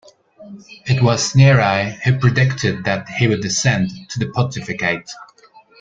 It was Neri who predicted that he would ascend to the pontificate.